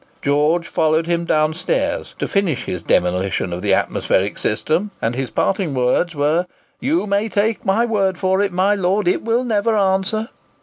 George followed him down stairs, to finish his demolition of the atmospheric system, and his parting words were, "You may take my word for it, my Lord, it will never answer."